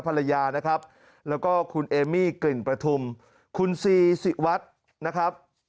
ภรรยานะครับแล้วก็คุณเอมี่กลิ่นประทุมคุณซีสิวัฒน์นะครับ